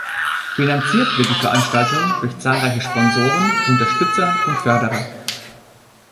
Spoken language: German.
Finanziert wird die Veranstaltung durch zahlreiche Sponsoren, Unterstützer und Förderer.